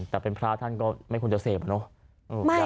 แต่เป็นพระท่านก็ไม่ควรจะเสพอะเนาะ